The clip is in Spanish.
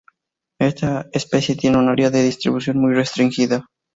Esta especie tiene un área de distribución muy restringida.